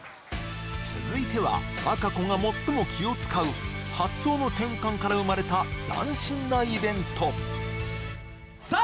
続いては和歌子が最も気を使う発想の転換から生まれた斬新なイベントさあ